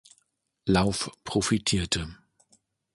Lauf profitierte.